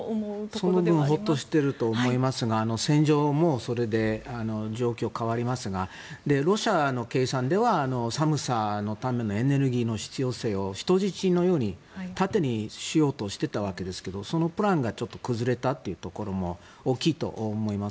その分ホッとしていると思いますが戦場もそれで状況が変わりますがロシアの計算では寒さのためのエネルギーの必要性を人質のように盾にしようとしていたわけですがそのプランが崩れたというところも大きいと思います。